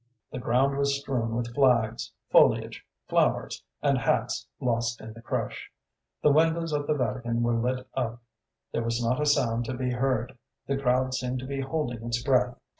The ground was strewn with flags, foliage, flowers, and hats lost in the crush; the windows of the Vatican were lit up; there was not a sound to be heard, the crowd seemed to be holding its breath.